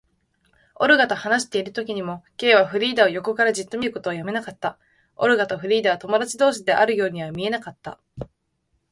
オルガと話しているときにも、Ｋ はフリーダを横からじっと見ることをやめなかった。オルガとフリーダとは友だち同士であるようには見えなかった。